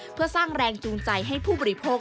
เพื่อสร้างแรงจูงใจให้ผู้บริโภค